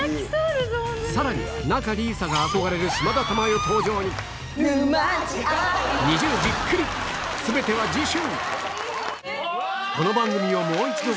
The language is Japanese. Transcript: さらに仲里依紗が憧れる島田珠代登場に全ては次週！